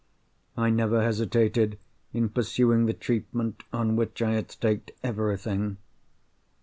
I never hesitated in pursuing the treatment on which I had staked everything.